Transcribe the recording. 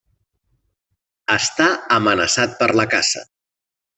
Està amenaçat per la caça.